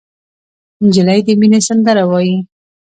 نجلۍ د مینې سندره وایي.